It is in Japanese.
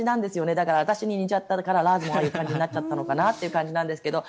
だから私に似ちゃったからラーズもああいう感じになっちゃったのかなという感じなんですけど。